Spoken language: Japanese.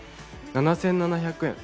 ７７００円。